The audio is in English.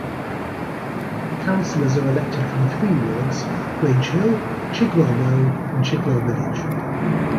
Councillors are elected from three wards: Grange Hill, Chigwell Row and Chigwell Village.